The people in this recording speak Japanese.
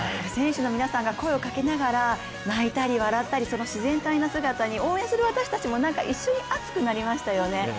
選手の皆さんが声をかけながら泣いたり笑ったり、その自然体な姿に応援する私たちも一緒に熱くなりましたよね